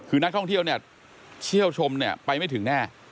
คือนักท่องเที่ยวเนี่ยเชี่ยวชมเนี่ยไปไม่ถึงแน่